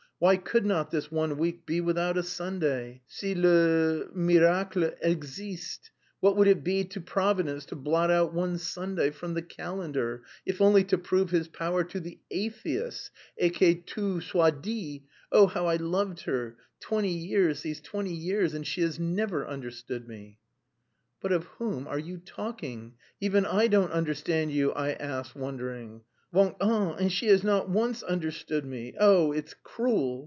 "Why could not this one week be without a Sunday si le miracle existe? What would it be to Providence to blot out one Sunday from the calendar? If only to prove His power to the atheists et que tout soit dit! Oh, how I loved her! Twenty years, these twenty years, and she has never understood me!" "But of whom are you talking? Even I don't understand you!" I asked, wondering. "Vingt ans! And she has not once understood me; oh, it's cruel!